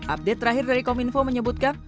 update terakhir dari kominfo menyebutkan